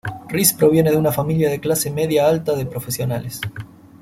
Rhys proviene de una familia de clase media alta de profesionales.